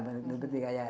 ya seperti di afghanistan